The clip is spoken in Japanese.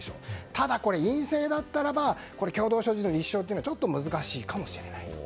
ただ、陰性だったなら共同所持の立証はちょっと難しいかもしれない。